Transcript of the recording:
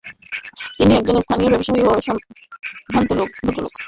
তিনি একজন স্থানীয় ব্যবসায়ী এবং সম্ভ্রান্ত ভদ্রলোক।